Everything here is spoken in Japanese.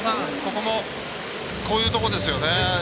こういうところですよね。